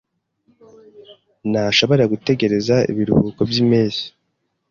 Ntashobora gutegereza ibiruhuko byimpeshyi.